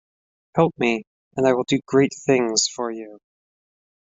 Help me — and I will do great things for you.